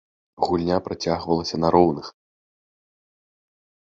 Гульня працягвалася на роўных.